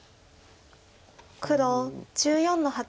黒１４の八。